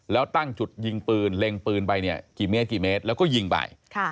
แล้วตั้งจุดยิงปืนเล็งปืนไปเนี่ยกี่เมตรกี่เมตรแล้วก็ยิงไป